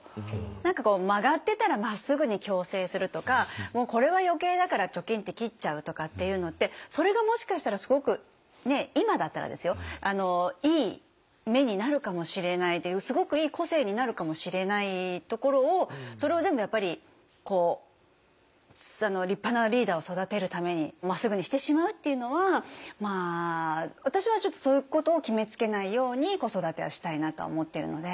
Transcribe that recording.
何かこう曲がってたらまっすぐに矯正するとかもうこれは余計だからチョキンって切っちゃうとかっていうのってそれがもしかしたらすごく今だったらですよいい芽になるかもしれないすごくいい個性になるかもしれないところをそれを全部立派なリーダーを育てるためにまっすぐにしてしまうっていうのは私はちょっとそういうことを決めつけないように子育てはしたいなと思っているので。